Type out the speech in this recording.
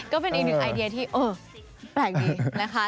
ก็เป็นอีกหนึ่งไอเดียที่เออแปลกดีนะคะ